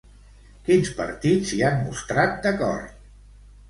Quins partits s'hi han mostrat d'acord?